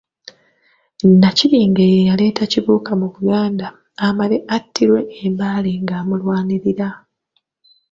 Nnakibinge ye yaleeta Kibuka mu Buganda amale attirwe e Mbale ng'amulwanirira.